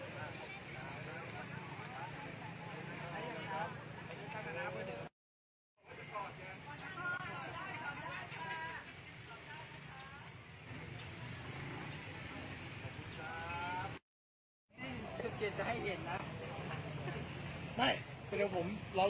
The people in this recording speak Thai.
อันดับอันดับอันดับอันดับอันดับ